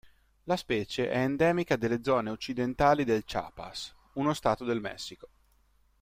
La specie è endemica delle zone occidentali del Chiapas, uno stato del Messico.